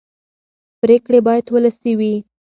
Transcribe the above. پرېکړې باید ولسي وي